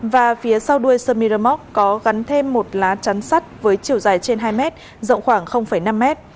và phía sau đuôi samiramok có gắn thêm một lá trắn sắt với chiều dài trên hai m rộng khoảng năm m